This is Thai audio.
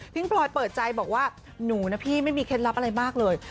พลอยเปิดใจบอกว่าหนูนะพี่ไม่มีเคล็ดลับอะไรมากเลย